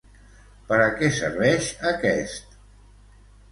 Per a què serveix aquest?